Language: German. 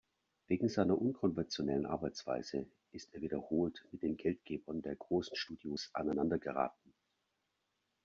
Wegen seiner unkonventionellen Arbeitsweise ist er wiederholt mit den Geldgebern der großen Studios aneinandergeraten.